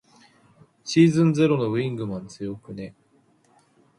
シーズンゼロのウィングマン強くね。